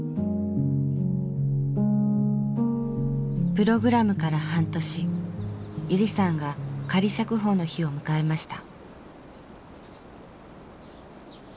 プログラムから半年ゆりさんが仮釈放の日を迎えました。